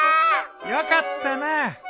よかったな。